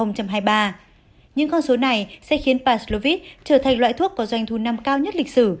nhưng con số này sẽ khiến palslovit trở thành loại thuốc có doanh thu năm cao nhất lịch sử